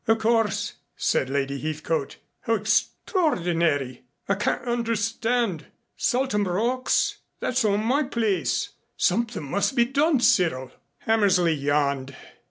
"Of course," said Lady Heathcote. "How extraordinary! I can't understand Saltham Rocks that's on my place. Something must be done, Cyril." Hammersley yawned.